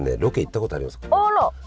あら！